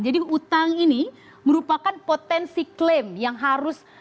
jadi utang ini merupakan potensi klaim yang harus